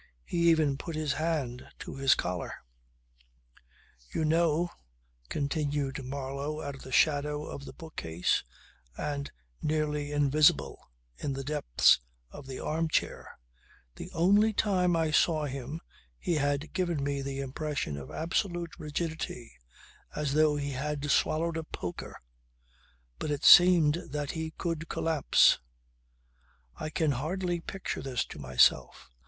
He even put his hand to his collar ...""You know," continued Marlow out of the shadow of the bookcase and nearly invisible in the depths of the arm chair, "the only time I saw him he had given me the impression of absolute rigidity, as though he had swallowed a poker. But it seems that he could collapse. I can hardly picture this to myself.